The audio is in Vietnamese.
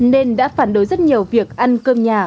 nên đã phản đối rất nhiều việc ăn cơm nhà